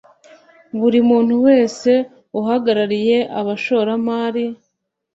Buri muntu wese uhagarariye abashoramari